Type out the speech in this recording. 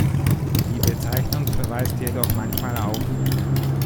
Die Bezeichnung verweist jedoch manchmal auf